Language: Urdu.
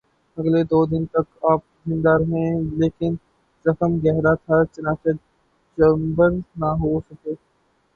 اگلے دو دن تک آپ زندہ رہے لیکن زخم گہرا تھا، چنانچہ جانبر نہ ہو سکے